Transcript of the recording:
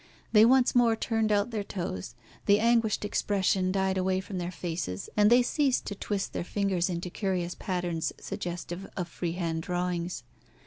They once more turned out their toes. The anguished expression died away from their faces, and they ceased to twist their fingers into curious patterns suggestive of freehand drawings.